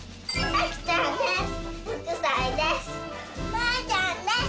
まいちゃんです。